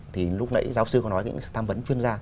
thì lúc nãy giáo sư có nói những sự tham vấn chuyên gia